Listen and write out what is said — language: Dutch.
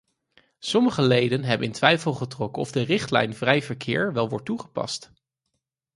Sommige leden hebben in twijfel getrokken of de richtlijn vrij verkeer wel wordt toegepast.